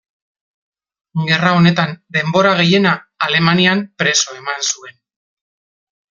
Gerra honetan denbora gehiena Alemanian preso eman zuen.